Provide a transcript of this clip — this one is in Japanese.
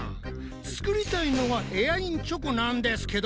作りたいのはエアインチョコなんですけど。